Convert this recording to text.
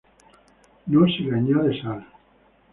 No se le añade sal.